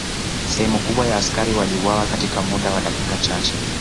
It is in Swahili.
Sehemu kubwa ya askari waliuawa katika muda wa dakika chache